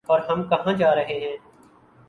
اورہم کہاں جارہے ہیں؟